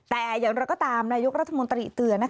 แต่อย่างเราก็ตามนายุครัฐมนตรีเตือนนะคะ